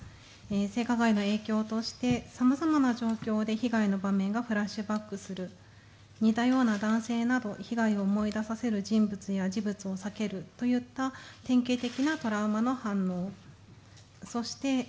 性加害の影響として、さまざまな状況で、被害の場面がフラッシュバックする、似たような男性など、被害を思わせる人物や事物などを避ける典型的なトラウマの反応。